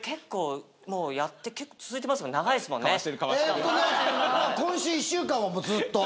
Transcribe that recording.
えっとね今週１週間はずっと。